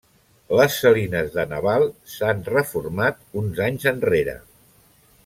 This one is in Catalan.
Les salines de Naval s'han reformat uns anys enrere.